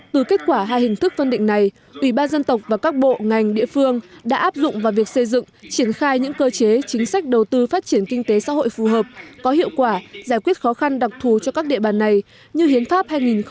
từ kết quả hai hình thức phân định này ủy ban dân tộc và các bộ ngành địa phương đã áp dụng vào việc xây dựng triển khai những cơ chế chính sách đầu tư phát triển kinh tế xã hội phù hợp có hiệu quả giải quyết khó khăn đặc thù cho các địa bàn này như hiến pháp hai nghìn một mươi ba